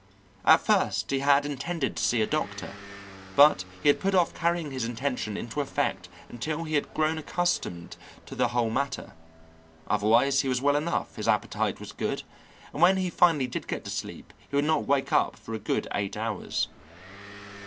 At first he had intended to see a doctor, but he had put off carrying his intention into effect until he had grown accustomed to the whole matter; otherwise, he was well enough, his appetite was good, and when he finally did get to sleep he would not wake up for a good eight hours.